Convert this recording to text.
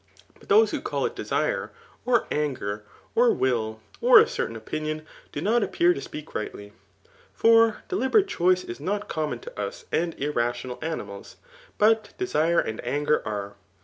But those who call it diesire, or anger, or will, or a certain opimon, da not appear to speak rightly. For deliberate choice is not common to us and irrational animals ; but desire and anger are.